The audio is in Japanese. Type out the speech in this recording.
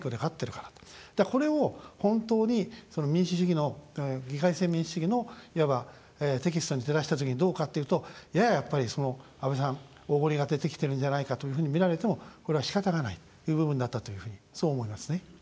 だから、これを本当に民主主義の議会制民主主義のいわばテキストに照らしたときにどうかっていうとやや、やっぱり安倍さんおごりが出てきてるんじゃないかというふうに見られてもこれはしかたがない部分だったというふうにそう思いますね。